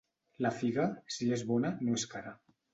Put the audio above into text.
La figa, si és bona, no és cara.